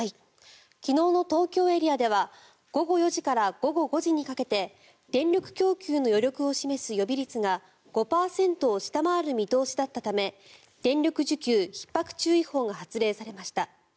昨日の東京エリアでは午後４時から午後５時にかけて電力供給の余力を示す予備率が５％を下回る見通しだったため電力需給ひっ迫注意報が発令されました。